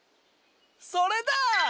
それだ！